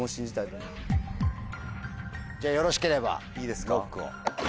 じゃあよろしければＬＯＣＫを。